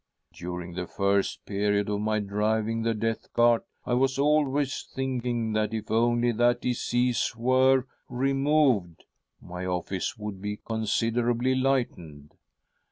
During the first period of my driving the death cart, I was always thinking that if only that disease were — removed, my office would be Considerably lightened."